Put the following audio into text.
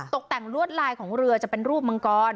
ตกแต่งลวดลายของเรือจะเป็นรูปมังกร